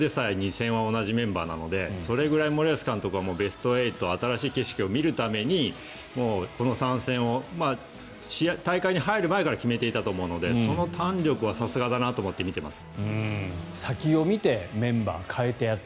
強豪国ブラジルでさえ２戦は同じメンバーなのでそれぐらい森保監督はベスト８、新しい景色を見るためこの３戦を、大会に入る前から決めていたと思うのでその胆力はさすがだなと思って見ています。